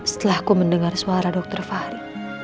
setelah aku mendengar suara dr fahri